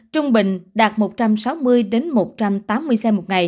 trung bình đạt một trăm sáu mươi đến một trăm tám mươi xe